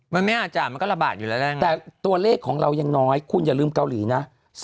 มันไม่อาจจะมันก็ระบาดอยู่แล้วนะแต่ตัวเลขของเรายังน้อยคุณอย่าลืมเกาหลีนะ